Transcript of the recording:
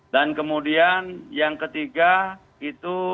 dan kemudian yang ketiga itu